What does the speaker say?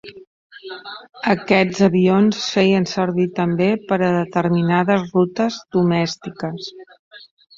Aquests avions es feien servir també per a determinades rutes domèstiques.